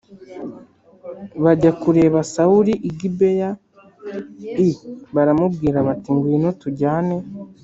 bajya kureba Sawuli i Gibeya i baramubwira bati ngwino tujyane